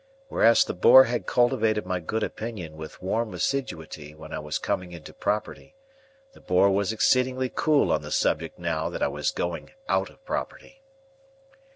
Whereas the Boar had cultivated my good opinion with warm assiduity when I was coming into property, the Boar was exceedingly cool on the subject now that I was going out of property.